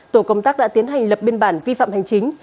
tổ công tác đã tiến hành lập biên bản vi phạm hành chính